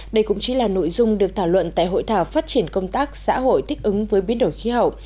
đây cũng chỉ là nội dung được thảo luận tại hội thảo phát triển công tác xã hội thích ứng với biến đổi khí hậu